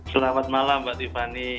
selamat malam mbak tiffany